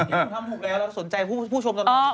คุณทำถูกแล้วเราสนใจผู้ชมตรงนี้